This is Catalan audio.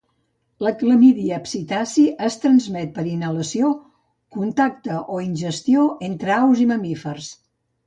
La "Chlamydia psittaci" es transmet per inhalació, contacte o ingestió entre aus i mamífers.